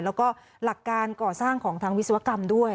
แล้วก็หลักการก่อสร้างของทางวิศวกรรมด้วย